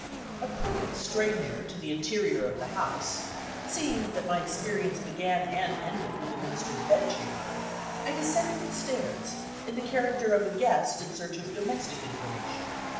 A perfect stranger to the interior of the house (seeing that my experience began and ended with the Minister's bedchamber), I descended the stairs, in the character of a guest in search of domestic information.